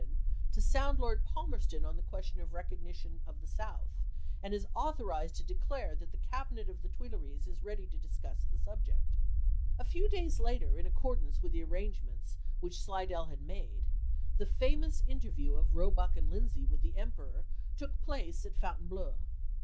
don, to sound Lord Palmerston on the question of recognition of the South, and is authorized to declare that the Cabinet of the Tuileries is ready to discuss the subject." A few days later, in accordance with the arrangements which Slidell had made, the famous interview of Roebuck and Lindsay with the Emperor took place at Fontaine bleau.